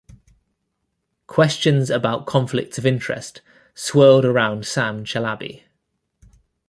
Questions about conflicts of interest swirled around Sam Chalabi.